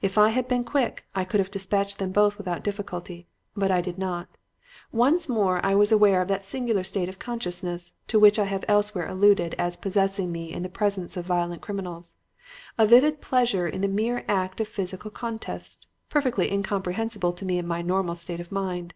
If I had been quick, I could have dispatched them both without difficulty. But I did not. Once more I was aware of that singular state of consciousness to which I have elsewhere alluded as possessing me in the presence of violent criminals; a vivid pleasure in the mere act of physical contest, perfectly incomprehensible to me in my normal state of mind.